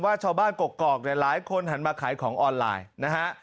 ชาวบ้านกกอกเนี่ยหลายคนหันมาขายของออนไลน์นะฮะ